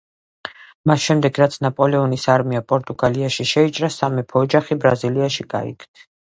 მას შემდეგ, რაც ნაპოლეონის არმია პორტუგალიაში შეიჭრა, სამეფო ოჯახი ბრაზილიაში გაიქცა.